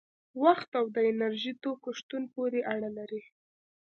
وخت او د انرژي توکو شتون پورې اړه لري.